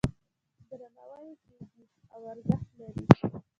درناوی یې کیږي او ارزښت لري.